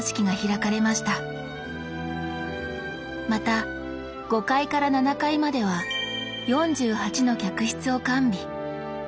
また５階から７階までは４８の客室を完備。